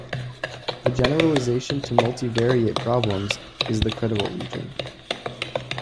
The generalisation to multivariate problems is the credible region.